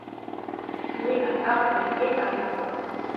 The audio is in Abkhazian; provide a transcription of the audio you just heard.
Уи аҭак ҟаиҵеит ажәакала…